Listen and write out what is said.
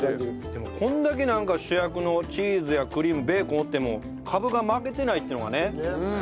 でもこれだけ主役のチーズやクリームベーコンおってもカブが負けてないっていうのがね。